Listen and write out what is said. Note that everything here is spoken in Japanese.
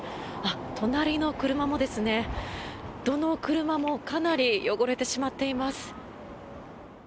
隣の車も、どの車もかなり汚れてしまっています。